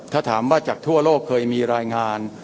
ถ้าถามว่าจากทั่วโลกเคยมีรายงาน